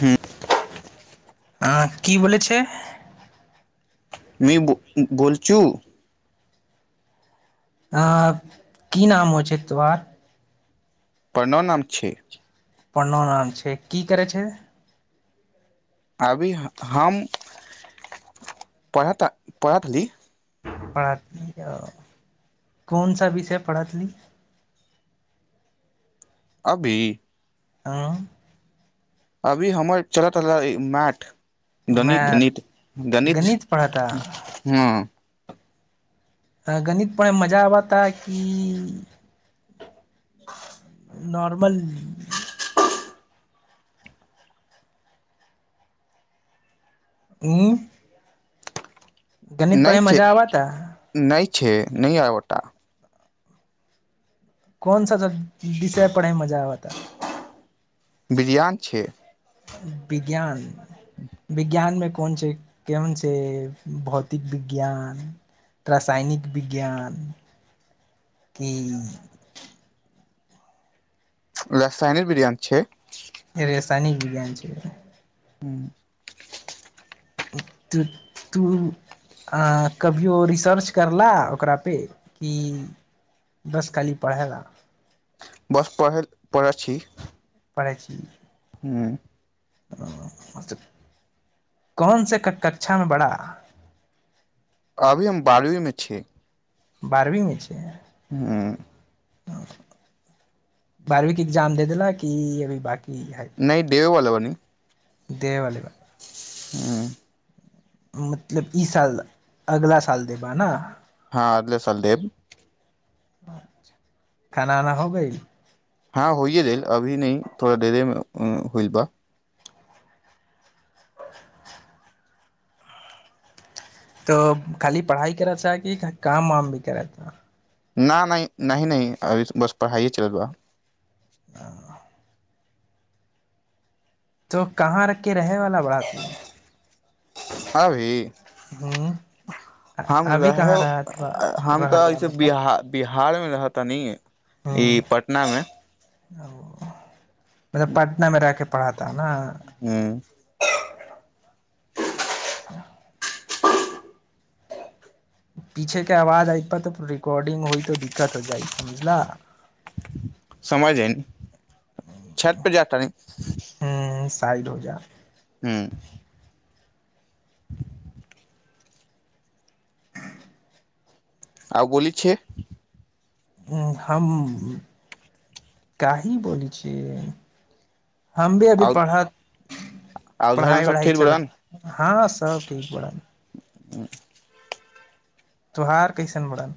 हुँ हँ की बोले छै बेकु घोलचु आ की नाम हो छै तोहार परणव नाम छै प्रण नाम छै की करै छै अभी हम पढ़ता पढ़हिय पढ़त र तऽ कोन सा विषय पढ़थिली अभी आँ अभी हमर चलत रहल मैथ गणित मैथ गणित गणित हँ आ गणितप मजा आबता की नॉर्मल हुँ म गणित नहि पढ़ैमे छै मजा आबैता नहि छै न आबता कन सा सब विषय पढ़ैमे मजा आबैता बिरियान छै विज्ञान विज्ञानमे को कोन छै केहन छै भौतिक विज्ञान रासायनिक विज्ञान किी रासायन विज्ञान छै तनि विज्ञान छै हू तू तू कभियओ रिसर्च करला ओकरापे कि बस खाली पढ़यला बस पढ़ै पढ़ै छी पढ़ै छी हुँ कौन सँ क कक्षामे पढ़य अभी हम बारहवी मे छी बारहवी मे छियै हूँ बारवी के एग्जाम दे देल कि अभी बाकी नहि देबेवला बानी देबे वला बा मतलब ई साल अगला साल देबअ ना हँ अगले साल देब खाना उना हो गइल हँ होइए देल अभी नहि थड़ा देरे होइल बा तऽ खाली पढ़ाइ करै छ कि काम वाम भी करै छ न नहि नहि नहि अभि बस पढ़ाइए चलत बा अ तो कहाँ रखके रहे वाला बड़ात मे अभी हूँ हम अभी कहाँ रहे रहत बा हम रहत तऽ बड़ा ऐसे मतलब बिहा बिहारमे रहतनी ई पटनामे अ ओ मतलब पटना मे रहके पढ़त हू [unintelligible] पीछे के आवाज आइतह तऽ रिकाँडिंग होइ तो दिक्कत हो जाइ समझला समझय गेनी छत पर जा तानी सइड हो जा हूँ आउ बोली छै उ हम काही बोलै छियै हम भी आ अभी पढ़त उधर मे पढ़ाई सब वढ़ाई ठीक बड़न चलत हँ सब ठीक बा [unintelligible] त्योहार कैसन बड़न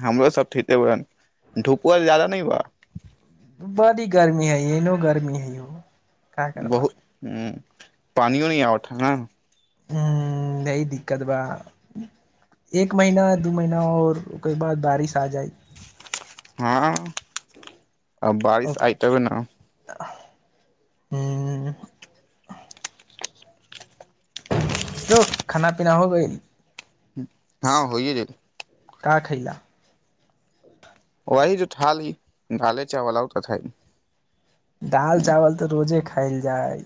हमरो सब ठके बरन धूपआ आज जादा नइ बा बाडी गर्मी हइ एनो गर्मी हइ हो का करबा बहुत हू पानियो न आवत हँ नइ हू यही दिक्कत बा एक महीना दू महीना आओर ओकर बाद बारिश आ जाइ हँ आ बारिश आय तबे न हूँ तो खाना पीना हो गइल हँ होइय गेल का खैलअ वही जो ठाली ढाले चाय वला उ तखैन दाल चावल त रोजे खाइल जाइ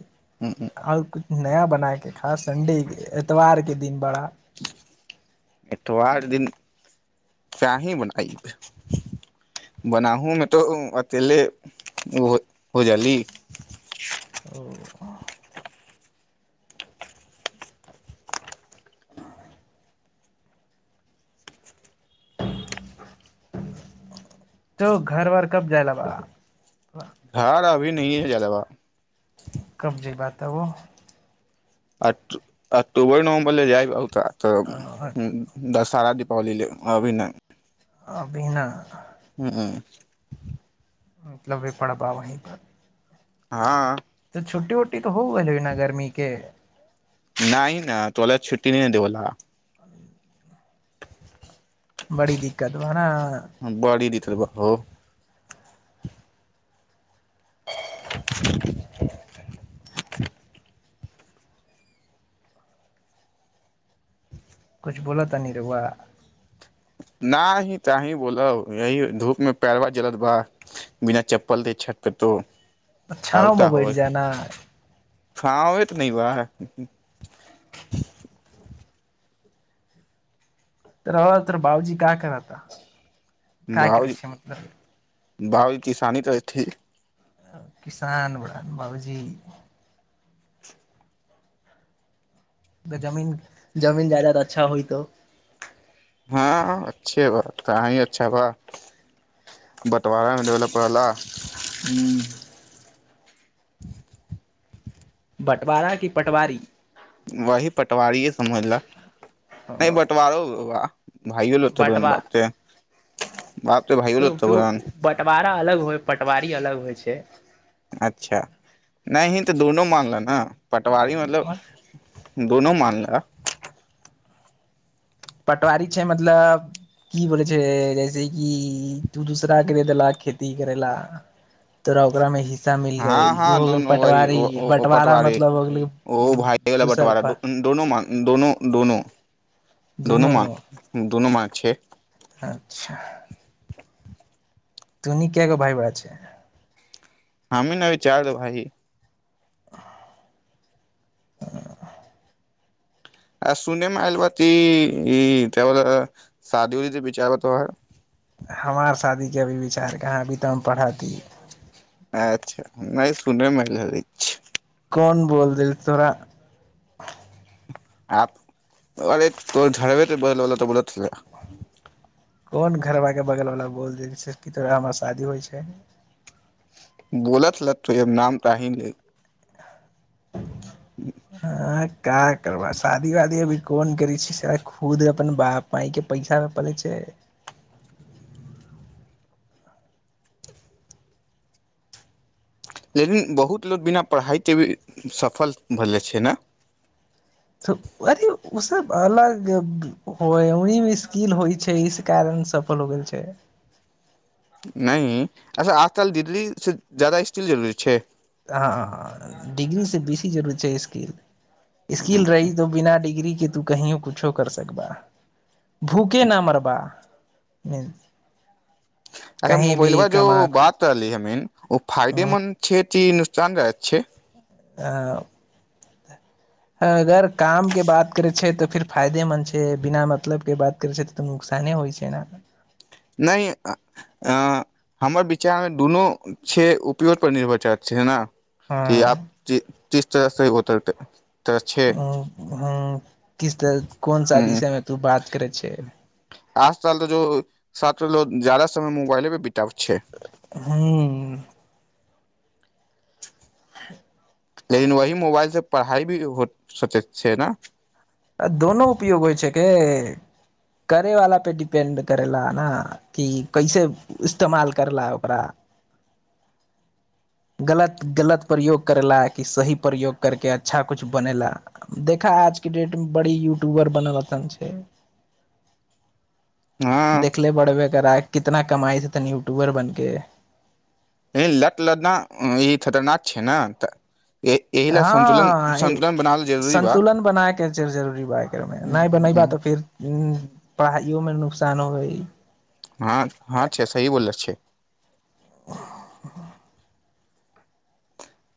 आर किछ नया बना के खा संडे के एतवार के दिन बड़ा इतवार दिन त का ही बनाइ बनाहुू मे तो अकेले हो जाली ओ तो घर वर कब जाय ल बाबा धार अभी नहि जाय ला बा कब जइबअ तबौ अ अक्टोबर नवम्बर लए जाइब आउर का तऽ दशहरा कलिले अभी नै अभी ना हूँ मतलब बेे पड़बा वीप हँ छुटी तऽ हो गेलना गर्मी के नहि न तोरा छुट्टी नहि देओला बड़ी दिक्कत बा ना बड़ी दिक्कत हो [inaudible] किछु बोलऽ तानि रहुआ न ही तहि बोल यही धूप मे पैरवार जलत बा बिना चप्पल देे छत पे तो छाँवमे बैठ जा ना छाओ तऽ नहि ब रहुआ तोहर बाबजी का करता क करी छै मतलब बाउजी किसानी करै थी किसान बारन बाबूजी तऽ जमीन जमीन जायदाद अच्छा होय तँ कहाँ ही अच्छा बा बँटवारा मे भेलपर रहल ह्म [inaudible] बटवारा कि पटवारी वही पटवारिए समझल नहि बटवारो वा भाइयो लोक बारन बाप के त तू बटवारा अलग होय प वारी अलग होइ छै अच्छा नहि तऽ दोनो मानल न पटवारी मतलब दोनो मानलह पटवारी छै मतलब की बोले छै जैसे कि तू दूसरा के देलक खेती करे ला तोरा ओकरामे हि हँ हँ दोनो वह बँटवारा पटवारे मतलब हो गेलै ओ भायला दूसर बटवारा पर दोनो म दोनो दोनो दोनोू दुनू मात दोनो मान छै अच्छा तुनि कयगो भइबा छै हमी ने अभी चारि गो भाइ आ सुनेमे आयल ब ती ई ब शादी ओ री बिचारब तोहर हमार शादीके अभी विचार कहाँ अभी तऽ हम पढ़ती अच्छा नहि सुनैमे लै छै कोन बोल देल तौरा आ अरे तो झड़बे बल बला तऽ बोल [unintelligible] कोन घरबाके बगल वला बोल देल छै की तोरा हमरा शादी होइ छै बोल छल ल तो नाम तऽही ल आ क करबा शादी वादी अभी कोन करै छै स खुद अपन बाप माय के पैसा मे पलै छै लेकिन बहुत लोक बिना पढ़ाइके भी सफल भेलै छै ने तऽ अथी ओसभ अलग होइ ओहमे स्किल होइ छै इस कारण सफल हो गेल छै नहि अच्छा आजकल दिल्लीसँ जदाा स्टील जरूरी छै हँ डिग्री से बेसी जरूरत छै स्किल स्किल रही तो बिना डिग्री कि तू कहयो कुछो कर सकबा भूखे न मरबा [inaudible] अच्छा कहीं भी मोबइलवा जो कमा बात रहली ह मीन ओ फायदेमन्द छै की नुकसान रह छै आ अगर काम के बात करे छै तऽ फेर फायदेमन्द छै बिना मतलब के बात करै छै तऽ तऽ नुकसाने होइ छैना नहि हमर विचारमे दुनू छै उपयोजपर निर्भर छै ने कि आब हँ जी जिस तरह ह होतै [unintelligible] ह ह किस तरह कोन सा ह विषयमे तू बात करै छै साथ लोग जादा समय मोबाइले बी छै ह ह लेकिन वही मोबाइल से पढ़ाइ भी हो सोचै छै ने [unintelligible] बरि युटुबर बनल छै हँ देखले बड़े बे कर आए कितना कमाइ छै तनी यूट्यूबर बनके ह लत लदना ई खतरनाक छै ने तऽ एहि लए संन्तुलन हँ संन्तुलन बनावल जरूरी बा संन्तुलन बनायके फ जरूरी ब नहि बनै बा तऽ फिर पढ़ाइयोमे नुकसान हो है हँ हँ छै सही बोल छै [unintelligible]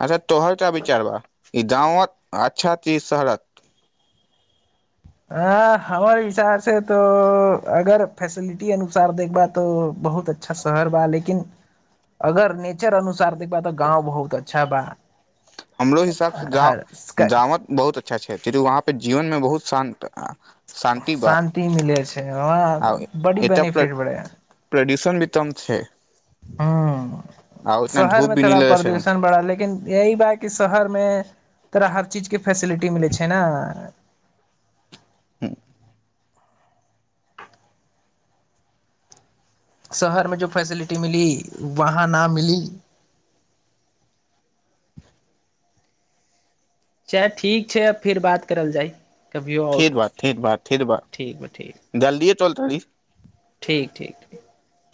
अच्छा तोहरटा विचारबा ई गाँवत अच्छा ती शहरात अ हमर हसाब से तो अगर फैसिलिटी अनुसार देखबा तो बहुत अच्छा शहर बा लेकिन अगर नेचर अनुसार देखबा तऽ गाँव बहुत अच्छा बा हमरो हिसाबसँ जा हर जावद बहुत अच्छा छै चि वहाँपे जीवन मे बहुत शान्त शान्ति मिलै छै आ वाँ बड़ी बेनिफिट बड़ै उत्तम छै हँ आ उतना शहर धूप मे भी नहि थोड़ा लगै छै प्रदूषण बड़ा लेकिन यी बात कि शहरमे तोरा हर चीजके फैसिलिटी मिलै छै ने शहरमे जो फैसिलिटी मिली वहाँ न मिली च ठीक छै फिर बात करल जाय कभियो आओर फर बात फर बात फिर बात ठीक बा ठीक जलदिय चलत दी ठीक ठीक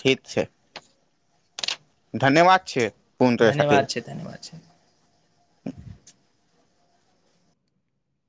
ठीक छै धन्यवाद छिय धन्यवाद छै धन्यवाद छै त